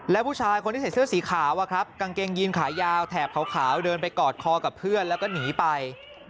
แล้วผู้ชายคนที่ใส่เสื้อสีขาวกางเกงยีนขายาวแถบขาวเดินไปกอดคอกับเพื่อนแล้วก็หนีไป